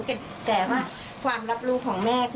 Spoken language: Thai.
คือไม่ห่วงไม่หาวแล้วไป